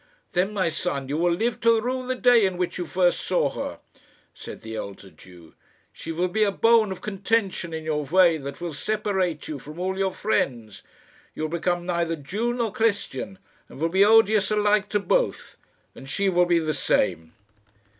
"Then, my son, you will live to rue the day in which you first saw her," said the elder Jew. "She will be a bone of contention in your way that will separate you from all your friends. You will become neither Jew nor Christian, and will be odious alike to both. And she will be the same."